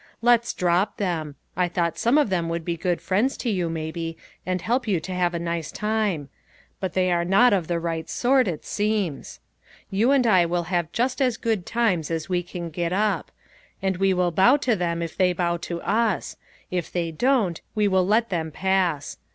Let's drop them. I thought some of them would be good friends to you, maybe, and help you to have a nice time ; but they are not of the right sort, it seems. You and I will have just as good times as we can get up. And we will bow to them if they bow to us ; if they don't we will let them pass.